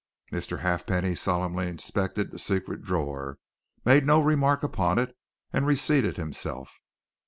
Mr. Halfpenny solemnly inspected the secret drawer, made no remark upon it, and reseated himself.